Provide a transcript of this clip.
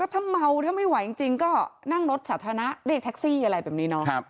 ถ้าเมาถ้าไม่ไหวจริงก็นั่งรถสาธารณะเรียกแท็กซี่อะไรแบบนี้เนาะ